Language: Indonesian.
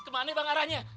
kemana bang arahnya